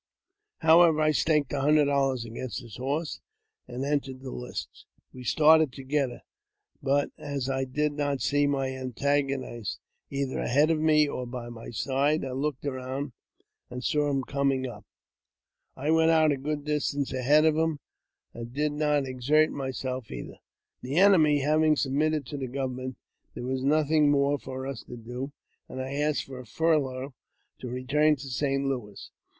However, I staked a hundred dollars against his horse, and entered the lists. We started together ; but, as I did not see my antagonist, either ahead of me or by my side, I looked around, and saw him coming up. I went out a good distance ahead of him, and did not exert myself either. « The enemy having submitted to the government, there was I nothing more for us to do, and I asked for a furlough to return '^l to St. Louis.